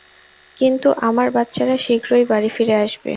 কিন্তু আমার বাচ্চারা শীঘ্রই বাড়ি ফিরে আসবে।